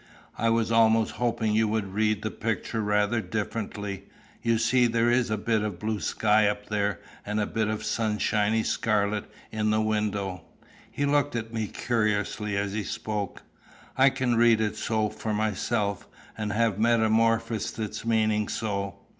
"I was almost hoping you would read the picture rather differently. You see there is a bit of blue sky up there, and a bit of sunshiny scarlet in the window." He looked at me curiously as he spoke. "I can read it so for myself, and have metamorphosed its meaning so.